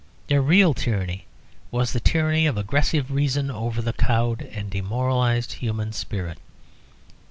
Their real tyranny was the tyranny of aggressive reason over the cowed and demoralised human spirit.